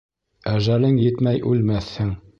Әжәлең етмәй үлмәҫһең.